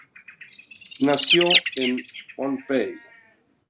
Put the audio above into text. Nació en Pohnpei.